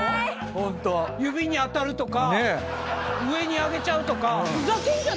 指に当たるとか上に上げちゃうとか。